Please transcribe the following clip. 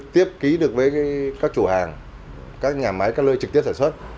tiếp ký được với các chủ hàng các nhà máy các lơi trực tiếp sản xuất